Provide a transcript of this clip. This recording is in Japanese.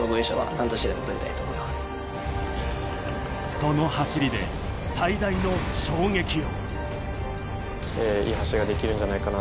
その走りで最大の衝撃を。